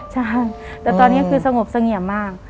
ใช่แต่ตอนนี้คือสงบเสงี่ยมมาก